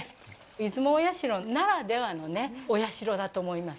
出雲大社ならではのお社だと思います。